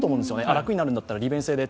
楽になるんだったら、利便性で。